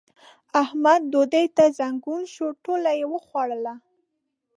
احمد ډوډۍ ته زنګون شو؛ ټوله يې وخوړله.